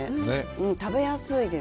食べやすいです。